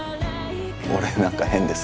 俺何か変です？